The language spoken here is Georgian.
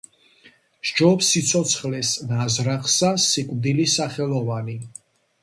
სჯობს სიცოცხელას ნაძრახსა, სიკვდილი სახელოვანი.